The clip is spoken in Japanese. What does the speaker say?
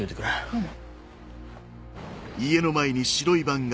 うん。